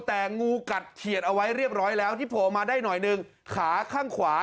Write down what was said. แต่งูกัดเขียดเอาไว้เรียบร้อยแล้วที่โผล่ออกมาได้หน่อยหนึ่งขาข้างขวา